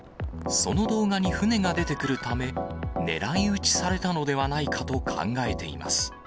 その動画に船が出てくるため、狙い撃ちされたのではないかと考えています。